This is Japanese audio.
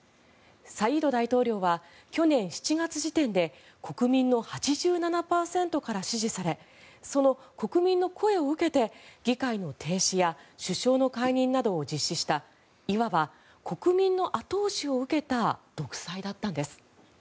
サイード大統領は去年７月時点で国民の８７％から支持されその国民の声を受けて議会の停止や首相の解任などを実施したいわば国民の後押しを受けた独裁だったんです。